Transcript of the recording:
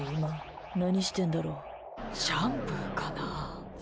シャンプーかな？